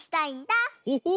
オホ